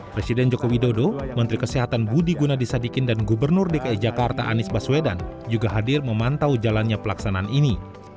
presiden joko widodo menteri kesehatan budi gunadisadikin dan gubernur dki jakarta anies baswedan juga hadir memantau jalannya pelaksanaan ini